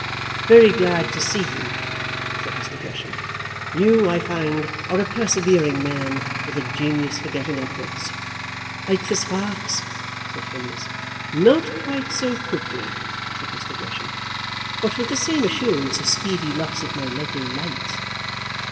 "Very glad to see you," said Mr. Gresham. "You, I find, are a persevering man, with a genius for getting upwards." "Like the sparks," said Phineas. "Not quite so quickly," said Mr. Gresham. "But with the same assurance of speedy loss of my little light."